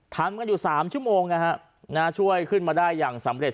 ทำกันอยู่๓ชั่วโมงนะฮะช่วยขึ้นมาได้อย่างสำเร็จ